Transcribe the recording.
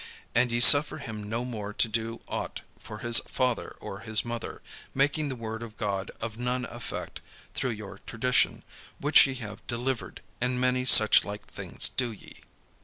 And ye suffer him no more to do ought for his father or his mother; making the word of God of none effect through your tradition, which ye have delivered: and many such like things do ye."